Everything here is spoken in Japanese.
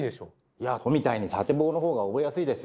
いや「ト」みたいに縦棒の方が覚えやすいですよ。